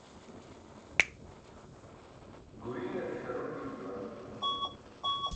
Guriinate ṣaron gim juwan.